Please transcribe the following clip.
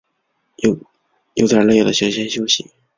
有点累了想先休息